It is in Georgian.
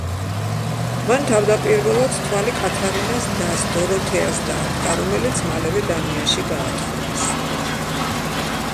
მან თავდაპირველად თვალი კათარინას დას, დოროთეას დაადგა, რომელიც მალევე დანიაში გაათხოვეს.